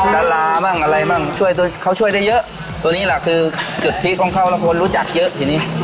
ดารามั่งอะไรมั่งช่วยตัวเขาช่วยได้เยอะตัวนี้แหละคือจุดพีคของเขาแล้วคนรู้จักเยอะทีนี้